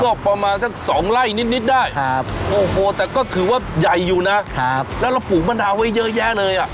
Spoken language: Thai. ก็ประมาณสัก๒ไร่นิดได้โอ้โหแต่ก็ถือว่าใหญ่อยู่นะแล้วเราปลูกมะนาวไว้เยอะแยะเลยอ่ะ